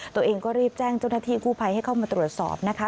ตัวเองก็รีบแจ้งเจ้าหน้าที่กู้ภัยให้เข้ามาตรวจสอบนะคะ